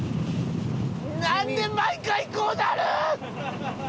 なんで毎回こうなる！？